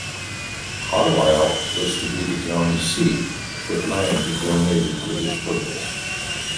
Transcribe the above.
Carlyle was to be the county seat should land be donated for this purpose.